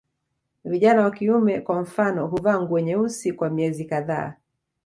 Vijana wa kiume kwa mfano huvaa nguo nyeusi kwa miezi kadhaa